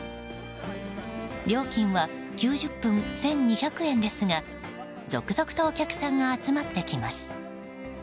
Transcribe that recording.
料金は９０分１２００円ですが続々とお客さんが集まってきます。